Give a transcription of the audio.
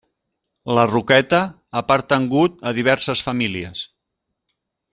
La Roqueta ha pertangut a diverses famílies.